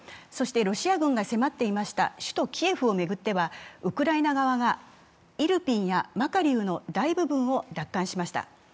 そしてロシア軍が迫ってました首都キエフを巡ってはウクライナ側がイルピンやマカリウの大部分を奪還しました。